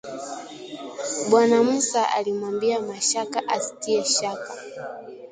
Bwana Musa alimwambia Mashaka asitie shaka